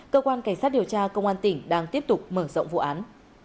cơ quan cảnh sát điều tra công an tỉnh đang tiếp tục mở rộng vụ án